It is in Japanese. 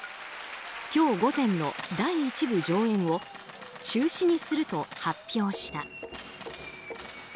今日午前の第１部上演を中止にすると発表した。